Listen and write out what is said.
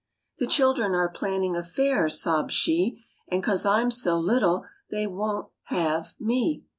"The children are planning a fair," sobbed she, "And 'cause I'm so little, they won't have me!"